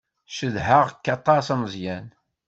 Cedheɣ-k aṭas a Meẓyan.